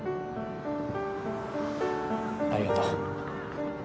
ありがとう。